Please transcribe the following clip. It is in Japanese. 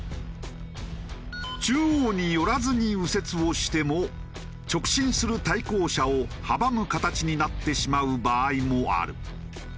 中央に寄らずに右折をしても直進する対向車を阻む形になってしまう場合もある。